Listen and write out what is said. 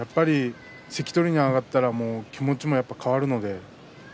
関取に上がったら気持ちも変わります。